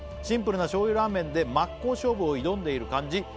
「シンプルな醤油ラーメンで真っ向勝負を挑んでいる感じ」